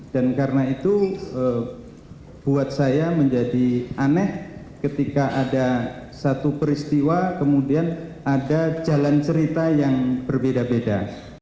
dan karena itu buat saya menjadi aneh ketika ada satu peristiwa kemudian ada jalan cerita yang berbeda beda